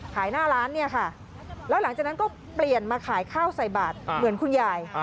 หน้าร้านเนี่ยค่ะแล้วหลังจากนั้นก็เปลี่ยนมาขายข้าวใส่บาทเหมือนคุณยาย